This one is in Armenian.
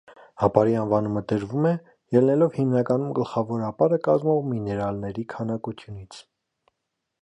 Ապարի անվանումը տրվում է՝ ելնելով հիմնականում գլխավոր ապարը կազմող միներալների քանակությունից։